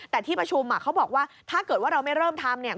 แต่ที่ประชุมเขาบอกว่าถ้าเกิดว่าเราไม่เริ่มทำเนี่ย